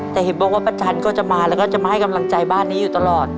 แต่เห็นบอกว่าป้าจันก็จะมาแล้วก็จะมาให้กำลังใจบ้านนี้อยู่ตลอด